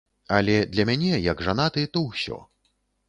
Але для мяне як жанаты, то ўсё.